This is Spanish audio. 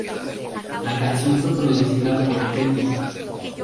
La canción fue producida por Petty.